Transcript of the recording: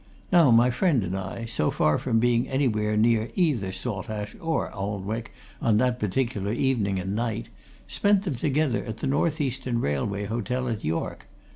Now, my friend and I, so far from being anywhere near either Saltash or Alnwick on that particular evening and night, spent them together at the North Eastern Railway Hotel at York.